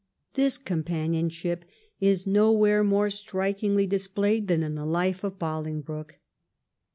This companion ship is nowhere more strikingly displayed than in the Hfe of BoUngbroke.